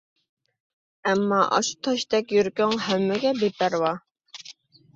ئەمما ئاشۇ تاشتەك يۈرىكىڭ ھەممىگە بىپەرۋا.